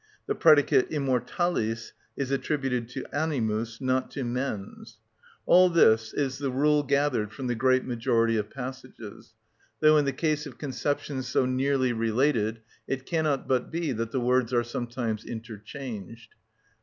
The predicate immortalis is attributed to animus, not to mens. All this is the rule gathered from the great majority of passages; though in the case of conceptions so nearly related it cannot but be that the words are sometimes interchanged.